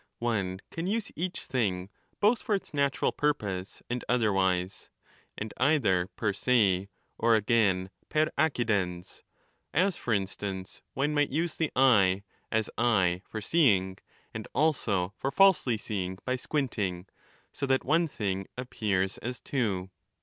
One can use each thing both for its natural purpose and otherwise, and either per se or again ^ per accidetis, as, for instance, one might use the eye, as eye,^ for seeing, and also for falsely seeing by squinting, so that one thing appears as two.